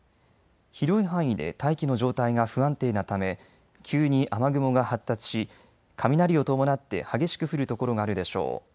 広い範囲で大気の状態が不安定なため急に雨雲が発達し雷を伴って激しく降る所があるでしょう。